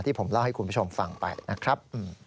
ผมเล่าให้คุณผู้ชมฟังไปนะครับ